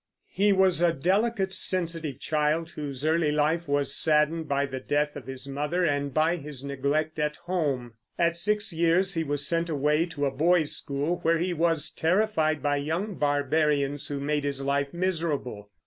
He was a delicate, sensitive child, whose early life was saddened by the death of his mother and by his neglect at home. At six years he was sent away to a boys' school, where he was terrified by young barbarians who made his life miserable.